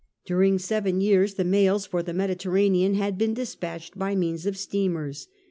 During seven years the mails for the Mediterranean had been despatched by means of steamers.